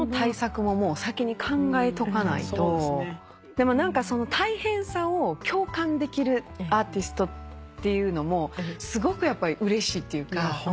でも大変さを共感できるアーティストっていうのもすごくうれしいっていうか。